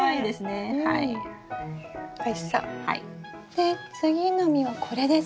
で次の実はこれですね？